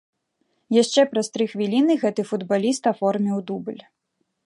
Яшчэ праз тры хвіліны гэты футбаліст аформіў дубль.